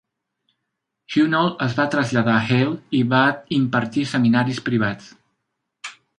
Hunold es va traslladar a Halle i va impartir seminaris privats.